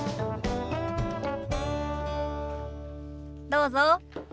どうぞ。